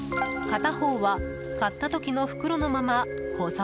片方は買った時の袋のまま保存。